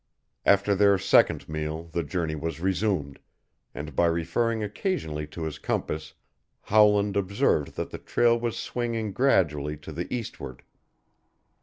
After their second meal the journey was resumed, and by referring occasionally to his compass Howland observed that the trail was swinging gradually to the eastward.